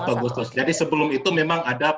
agustus jadi sebelum itu memang ada